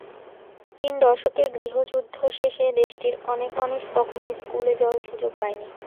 তিন দশকের গৃহযুদ্ধ শেষে দেশটির অনেক মানুষ কখনোই স্কুলে যাওয়ার সুযোগ পায়নি।